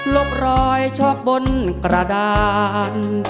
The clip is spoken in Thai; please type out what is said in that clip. บรอยชอบบนกระดาน